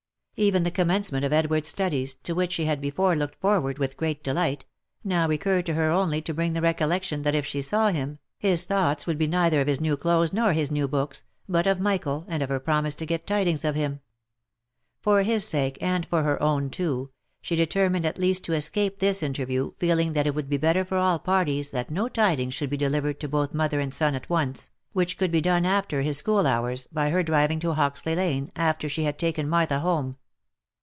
_Even the commencement of Edward's studies, to which she had before looked forward with great delight, now recurred to her only to bring the recollection that if she saw him, his thoughts would be neither of his new clothes nor his new books, but of Michael, and of her promise to get tidings of him. For his sake, and her own too, she determined at least to escape this interview, feeling that it would be better for all parties that no tidings should be de livered to both mother and son at once, which could be done after his school hours, by her driving to Hoxley lane, after she had taken Martha home.